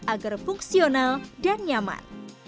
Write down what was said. agar fungsional dan nyaman